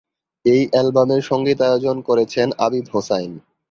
এই অ্যালবামের সঙ্গীতায়োজন করেছেন আবিদ হোসাইন।